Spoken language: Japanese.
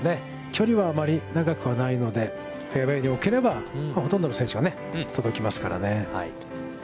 距離はあまり長くはないので、フェアウェイに置ければ、ほとんどの選手が届きますからね。